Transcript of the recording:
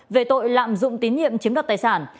về tội lạm dụng tín nhiệm chiếm đoạt tài sản